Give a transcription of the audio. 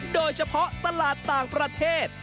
โดยเฉพาะตลาดต่างประเทศ